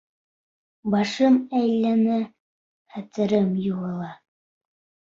Башым әйләнә, хәтерем юғала.